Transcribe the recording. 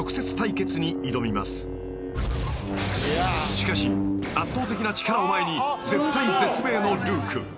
［しかし圧倒的な力を前に絶体絶命のルーク］